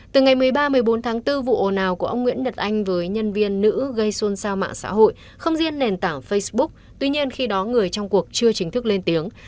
từ ngày một mươi ba một mươi bốn tháng bốn vụ ồ nào của ông nguyễn nhật anh với nhân viên nữ gây xôn xao mạng xã hội không riêng nền tảng facebook tuy nhiên khi đó người trong cuộc chưa chính thức lên tiếng